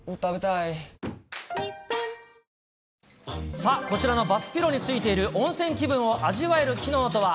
さあ、こちらのバスピローに付いている、温泉気分を味わえる機能とは。